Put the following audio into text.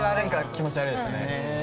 気持ち悪いですね。